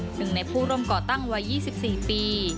หนึ่งในผู้ร่วมก่อตั้งวัย๒๔ปี